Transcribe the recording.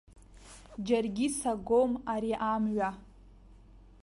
Џьаргьы сагом ари амҩа.